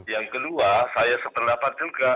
yang kedua saya sependapat juga